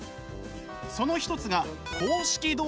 その一つが公式動画の制作。